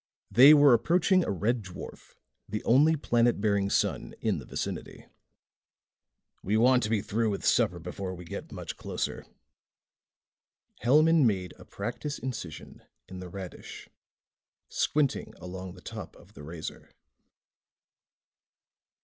They were approaching a red dwarf, the only planet bearing sun in the vicinity. "We want to be through with supper before we get much closer." Hellman made a practice incision in the radish, squinting along the top of the razor.